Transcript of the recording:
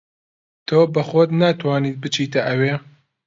تۆ بە خۆت ناتوانیت بچیتە ئەوێ.